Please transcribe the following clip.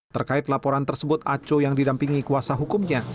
terkait laporan tersebut aco yang didampingi kuasa hukumnya